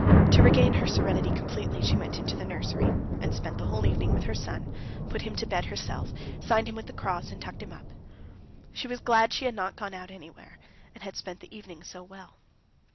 To regain her serenity completely she went into the nursery, and spent the whole evening with her son, put him to bed herself, signed him with the cross, and tucked him up. She was glad she had not gone out anywhere, and had spent the evening so well.